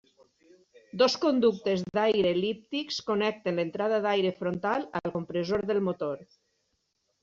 Dos conductes d'aire el·líptics connecten l'entrada d'aire frontal al compressor del motor.